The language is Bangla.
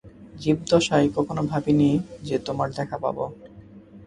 জীবদ্দশায় কখনও ভাবিনি যে তোমার দেখা পাবো।